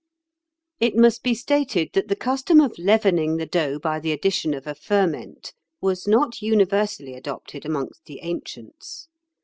] It must be stated that the custom of leavening the dough by the addition of a ferment was not universally adopted amongst the ancients.